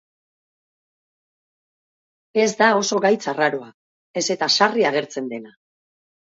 Ez da oso gaitz arraroa, ez eta sarri agertzen dena.